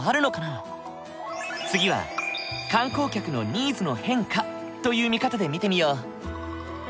次は観光客のニーズの変化という見方で見てみよう。